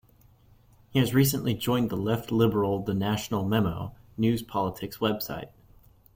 He has recently joined the left-liberal The National Memo news-politics website.